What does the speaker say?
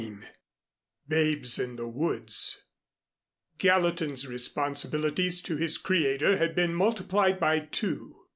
II BABES IN THE WOODS Gallatin's responsibilities to his Creator had been multiplied by two.